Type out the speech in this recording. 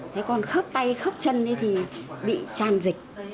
thế còn khớp tay khốc chân thì bị tràn dịch